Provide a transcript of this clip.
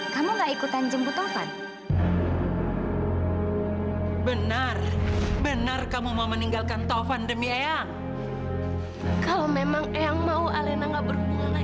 sampai jumpa di video selanjutnya